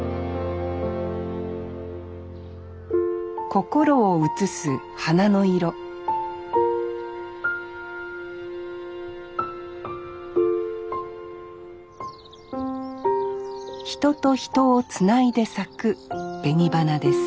心を映す花の色人と人をつないで咲く紅花です